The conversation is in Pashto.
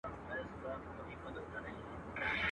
هري خواته چي مو مخ به سو خپل کور وو.